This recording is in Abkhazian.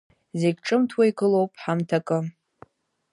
Зегь ҿымҭуа игылоуп ҳамҭакы.